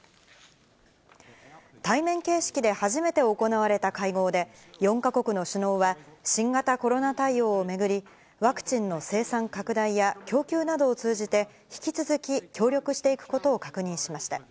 対面形式で初めて行われた会合で、４か国の首脳は新型コロナ対応を巡り、ワクチンの生産拡大や供給などを通じて、引き続き協力していくことを確認しました。